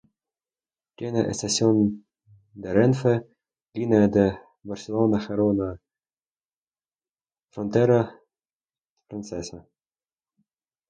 Tiene estación de Renfe, línea de Barcelona-Gerona-Frontera Francesa.